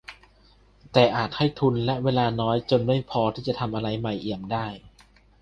แต่อาจให้ทุนและเวลาน้อยจนไม่พอจะทำอะไรใหม่เอี่ยมได้ ?